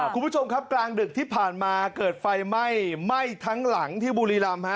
คุณผู้ชมครับกลางดึกที่ผ่านมาเกิดไฟไหม้ไหม้ทั้งหลังที่บุรีรำ